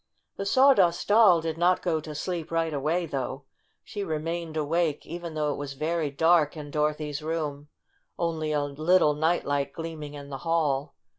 The Sawdust Doll did not go to sleep right away, though. She remained awake, even though it was very dark in Doro thy's room, only a little night light gleam ing in the hall.